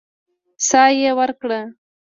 سا يې ورکړه.